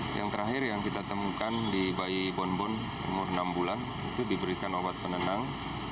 yang terakhir yang kita temukan di bayi bonbon umur enam bulan itu diberikan obat penenang